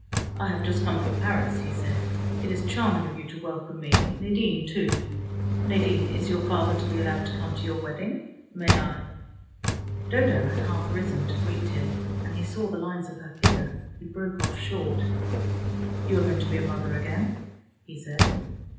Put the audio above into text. "I have just come from Paris," he said. "It is charming of you to welcome me. Nadine, too. Nadine, is your father to be allowed to come to your wedding? May I " Dodo had half risen to greet him, and he saw the lines of her figure. He broke off short. "You are going to be a mother again?" he said.